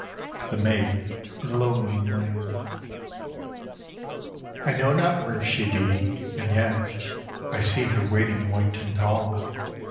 THE MAID IN LOW MOON LAND I KNOW not where she be, and yet I see her waiting white and tall.